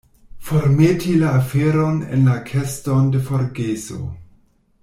Formeti la aferon en la keston de forgeso.